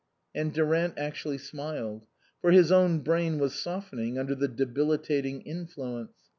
And Durant actually smiled ; for his own brain was softening under the debilitating influence.